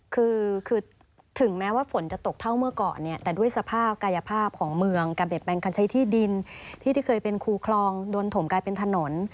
คือคือถึงแม้ว่าฝนจะตกเท่าเมื่อก่อนเนี่ยแต่ด้วยสภาพกายภาพของเมืองการเปลี่ยนแปลงการใช้ที่ดินที่ที่เคยเป็นคูคลองโดนถมกลายเป็นถนน